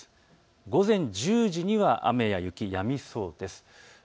午前１０時には雨や雪やみそうです。